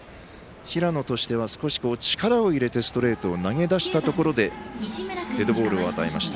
平野としては少し、力を入れてストレートを投げ出したところでデッドボールを与えました。